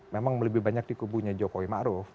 memang lebih banyak di kubunya jokowi maruf